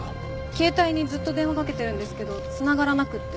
携帯にずっと電話かけてるんですけど繋がらなくて。